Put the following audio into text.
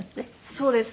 そうです。